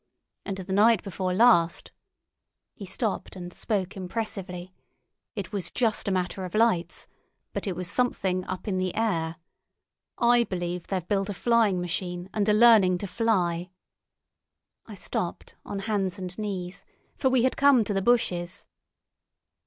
And the night before last"—he stopped and spoke impressively—"it was just a matter of lights, but it was something up in the air. I believe they've built a flying machine, and are learning to fly." I stopped, on hands and knees, for we had come to the bushes.